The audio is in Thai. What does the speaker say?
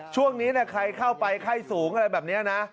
ช่วงนี้ใครเข้าไปไข้สูงอะไรแบบนี้นะ